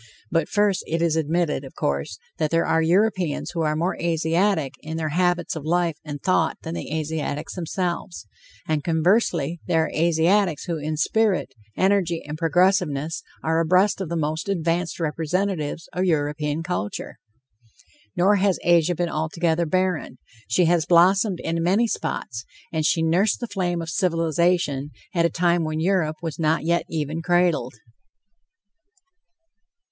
But first, it is admitted, of course, that there are Europeans who are more Asiatic in their habits of life and thought than the Asiatics themselves, and, conversely, there are Asiatics who in spirit, energy and progressiveness are abreast of the most advanced representatives of European culture. Nor has Asia been altogether barren; she has blossomed in many spots, and she nursed the flame of civilization at a time when Europe was not yet even cradled.